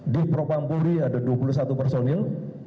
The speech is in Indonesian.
di propampori ada dua puluh satu personil